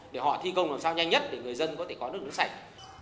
để họ thi công làm sao nhanh nhất để người dân có thể có được nước sạch